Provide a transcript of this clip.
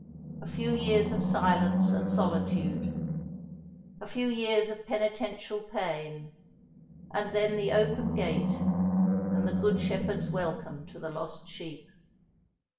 A few years of silence and solitude. A few years of penitential pain; and then the open gate, and the Good Shepherd's welcome to the lost sheep."